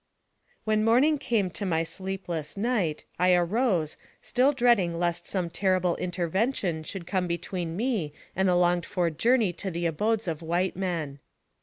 When morning came to my sleepless night, I arose, still dreading lest some terrible intervention should come between me and the longed for journey to the abodes of white men.